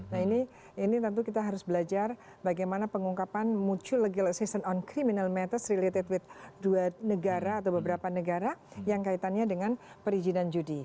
nah ini tentu kita harus belajar bagaimana pengungkapan mutual legalization on criminal matters related with dua negara atau beberapa negara yang kaitannya dengan perizinan judi